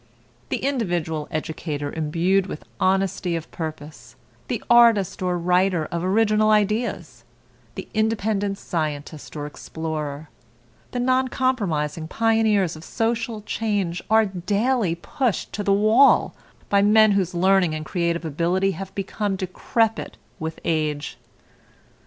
The individual educator imbued with honesty of purpose, the artist or writer of original ideas, the independent scientist or explorer, the non compromising pioneers of social changes are daily pushed to the wall by men whose learning and creative ability have become decrepit with age.